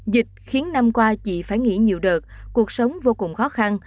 dịch khiến năm qua chị phải nghỉ nhiều đợt cuộc sống vô cùng khó khăn